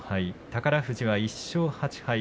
宝富士は１勝８敗。